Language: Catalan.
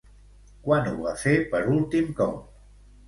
Quan ho va fer per últim cop?